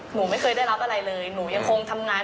หนูไม่เคยได้รับอะไรเลยหนูยังคงทำงาน